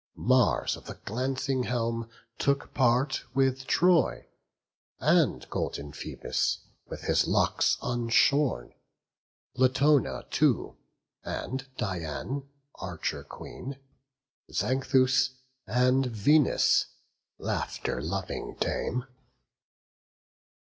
Mars of the glancing helm took part with Troy, And golden Phoebus with his locks unshorn, Latona too, and Dian, Archer Queen, Xanthus, and Venus, laughter loving dame.